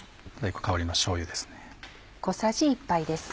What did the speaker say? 香りのしょうゆです。